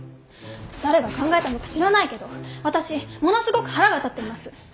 誰が考えたのか知らないけど私ものすごく腹が立ってます！